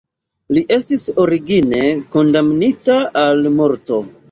Li estis origine kondamnita al morto.